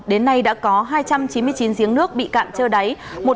đến nay đã có hai trăm chín mươi chín giếng nước bị cạn trơ đáy